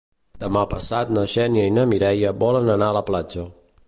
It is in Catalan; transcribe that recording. Demà passat na Xènia i na Mireia volen anar a la platja.